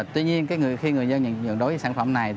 tuy nhiên khi người dân nhận đối với sản phẩm này